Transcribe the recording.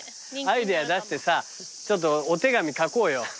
アイデア出してさちょっとお手紙書こうよ。